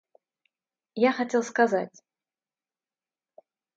Я хотел сказать.